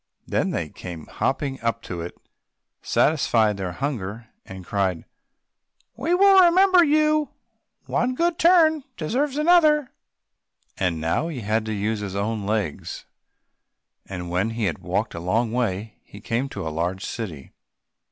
Then they came hopping up to it, satisfied their hunger, and cried, "We will remember you—one good turn deserves another!" And now he had to use his own legs, and when he had walked a long way, he came to a large city.